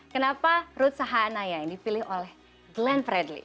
kenapa rutsa hanaya yang dipilih oleh glenn fredly